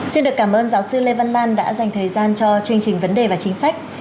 xin được cảm ơn giáo sư lê văn lan đã dành thời gian cho chương trình vấn đề và chính sách